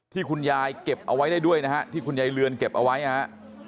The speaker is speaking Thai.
ที่คุณยายเก็บเอาไว้ได้ด้วยนะฮะที่คุณยายเรือนเก็บเอาไว้นะฮะ